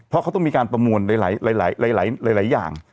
เพราะเขาต้องมีการประมวลในหลายอย่าง